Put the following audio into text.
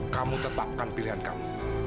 kamu tetapkan pilihan kamu